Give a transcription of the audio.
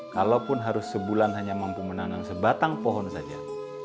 kalaupun harus sebulan hanya mampu menanam sebatang pohon saja